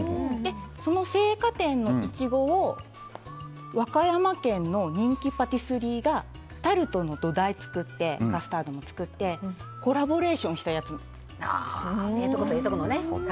その青果店のイチゴを和歌山県の人気パティスリーがタルトの土台作ってカスタードも作ってコラボレーションしたやつなんですよ。